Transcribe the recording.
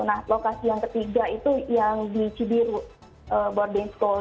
nah lokasi yang ketiga itu yang di cibiru boarding school